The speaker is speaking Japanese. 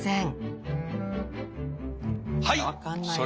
はい。